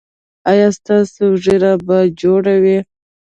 ایا ستاسو ږیره به جوړه وي؟